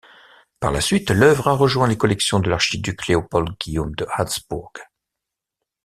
Par la suite, l'œuvre a rejoint les collections de l'archiduc Léopold Guillaume de Habsbourg.